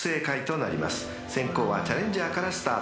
［先攻はチャレンジャーからスタート］